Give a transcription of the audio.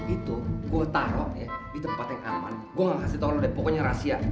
itu gue taro ya di tempat yang aman gue gak kasih tau lu deh pokoknya rahasia